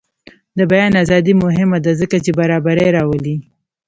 د بیان ازادي مهمه ده ځکه چې برابري راولي.